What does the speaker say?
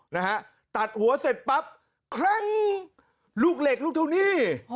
นะฮะตัดหัวเสร็จปั๊บเคร่งลูกเหล็กลูกเท่านี้